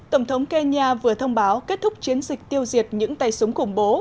tổng thống kenya vừa thông báo kết thúc chiến dịch tiêu diệt những tay súng khủng bố